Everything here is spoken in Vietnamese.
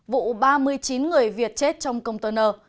vụ ba mươi chín người việt chết trong công tơ nợ